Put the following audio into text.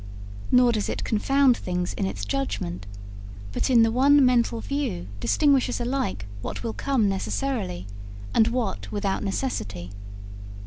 Nor does it confound things in its judgment, but in the one mental view distinguishes alike what will come necessarily and what without necessity.